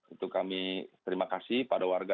itu kami terima kasih pada warga